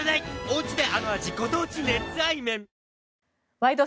「ワイド！